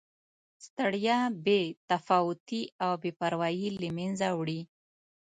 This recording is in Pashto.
ستړیا، بې تفاوتي او بې پروایي له مینځه وړي.